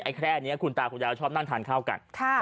ไอ้แคร่นี้คุณตาคุณยาชอบการนั่นทานเข้ากัน